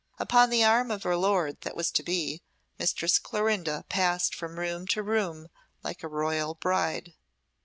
Upon the arm of her lord that was to be, Mistress Clorinda passed from room to room like a royal bride.